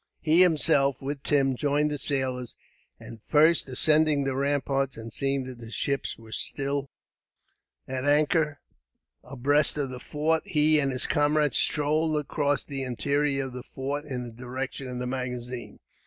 He himself, with Tim, joined the sailors; and, first ascending the ramparts and seeing that the ships were still at anchor, abreast of the fort, he and his comrades strolled across the interior of the fort, in the direction of the magazine.